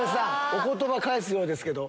お言葉返すようですけど。